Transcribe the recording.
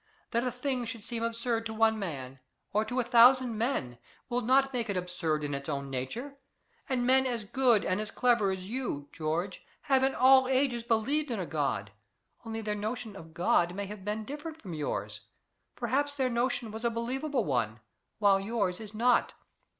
"That a thing should seem absurd to one man, or to a thousand men, will not make it absurd in its own nature; and men as good and as clever as you, George, have in all ages believed in a God. Only their notion of God may have been different from yours. Perhaps their notion was a believable one, while yours is not."